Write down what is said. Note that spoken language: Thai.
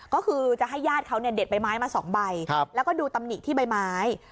ก็คือจะให้ญาติเขาเนี่ยเด็ดใบไม้มา๒ใบแล้วก็ดูตำหนิที่ใบไม้